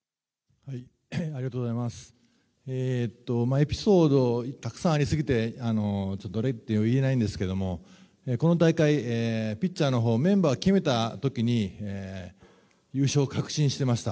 エピソード、たくさんありすぎてどれとは言えないんですけどこの大会、ピッチャーのほうメンバーを決めた時に優勝を確信していました。